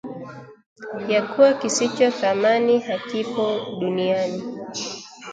ya kuwa kisicho thamani hakipo duniani